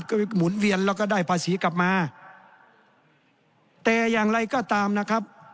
ก็หมุนเวียนแล้วก็ได้ภาษีกลับมาแต่อย่างไรก็ตามนะครับ